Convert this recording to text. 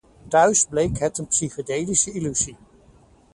Thuis bleek het een psychedelische illusie.